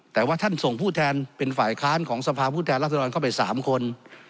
แต่ว่าท่านส่งผู้แทนเป็นฝ่ายค้านของสภาพผู้แทนรัศดรเข้าไป๓คน